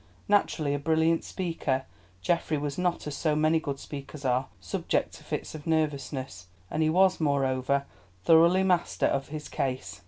Naturally a brilliant speaker, Geoffrey was not, as so many good speakers are, subject to fits of nervousness, and he was, moreover, thoroughly master of his case.